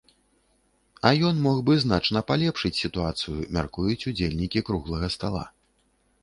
А ён мог бы значна палепшыць сітуацыю, мяркуюць удзельнікі круглага стала.